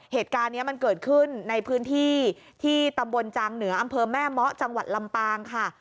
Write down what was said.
เหตุการณ์นี้มันเกิดขึ้นในพื้นที่ที่ตำบลจางเหนืออำเภอแม่เมาะจังหวัดลำปางค่ะ